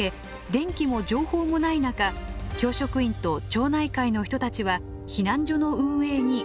電気も情報もない中教職員と町内会の人たちは避難所の運営に追われました。